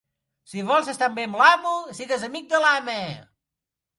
Si vols estar bé amb l'amo, sigues amic de l'ama.